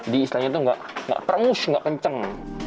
di istilahnya itu tidak perengus tidak kencang